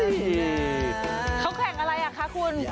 เขาแข่งอะไรอ่ะคะคุณ